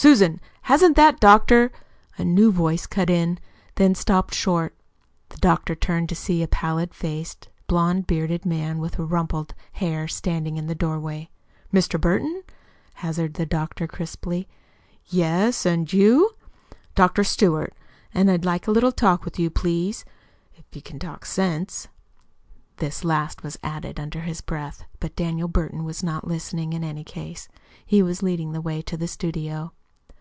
"Susan, hasn't that doctor " a new voice cut in, then stopped short. The doctor turned to see a pallid faced, blond bearded man with rumpled hair standing in the doorway. "Mr. Burton?" hazarded the doctor crisply. "Yes. And you " "Dr. Stewart. And I'd like a little talk with you, please if you can talk sense." This last was added under his breath; but Daniel Burton was not listening, in any case. He was leading the way to the studio.